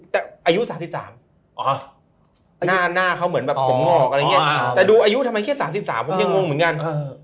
แต่อายุ๓๓หน้าเขาเหมือนแบบเป็นงอกแต่ดูอายุทำไมแค่๓๓ผมยังงงเหมือนกัน